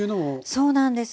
そうなんです。